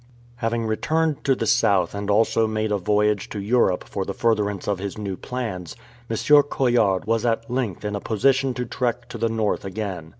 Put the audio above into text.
Having returned to the south and also made a voyage to Europe for the furtherance of his new plans, M. Coillard was at length in a position to trek to the north again.